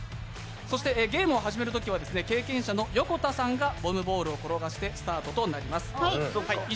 そしてゲームを始めるときは経験者の横田さんがボムボールを転がしてスタートとなります。